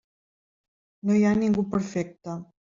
No hi ha ningú perfecte.